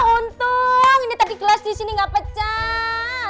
untung ini tadi gelas disini gak pecah